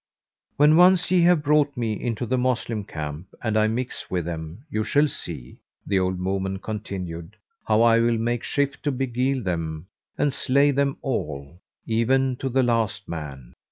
"When once ye have brought me into the Moslem camp, and I mix with them you shall see," the old woman continued, "how I will make shift to beguile them; and slay them all, even to the last man."